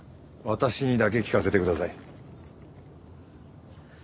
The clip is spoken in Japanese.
私にだけ聞かせてください。